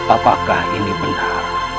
apakah ini benar